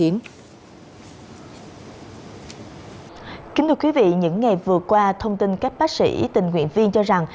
những ngày vừa qua thông tin các bác sĩ tình nguyện viên cho rằng